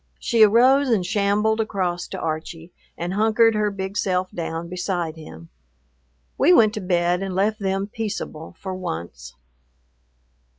She arose and shambled across to Archie and hunkered her big self down beside him. We went to bed and left them peaceable for once.